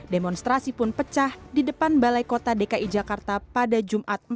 demonstrasi pun pecah di depan barah gota dki jakarta pada jum'at empat belas oktober dua ribu enam belas